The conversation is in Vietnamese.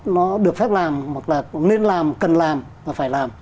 nó được phép làm hoặc là nên làm cần làm và phải làm